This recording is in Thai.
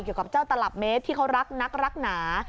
เกี่ยวกับเจ้าตลับเมตรที่เขารักนักรักหนา